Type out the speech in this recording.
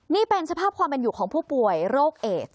นี่เป็นสภาพความเป็นอยู่ของผู้ป่วยโรคเอส